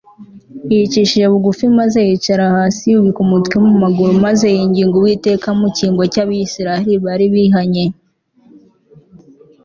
Yicishije bugufi maze yicara hasi yubika umutwe mu maguru maze yinginga Uwiteka mu cyimbo cyAbisirayeli bari bihannye